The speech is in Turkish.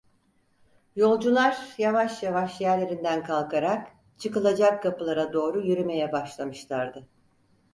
Yolcular yavaş yavaş yerlerinden kalkarak çıkılacak kapılara doğru yürümeye başlamışlardı.